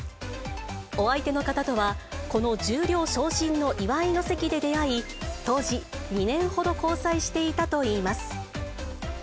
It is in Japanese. お相手の方とは、この十両昇進の祝いの席で出会い、当時、２年ほど交際していたといいます。